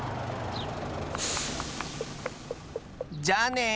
じゃあね！